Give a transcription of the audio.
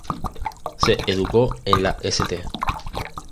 Se educó en la St.